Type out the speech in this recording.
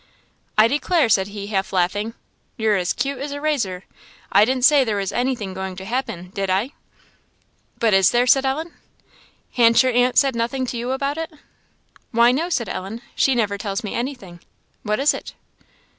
"I declare," said he, half laughing, "you're as 'cute as a razor; I didn't say there was anything going to happen, did I?" "But is there?" said Ellen. "Han't your aunt said nothing to you about it?" "Why, no," said Ellen "she never tells me anything; what is it?"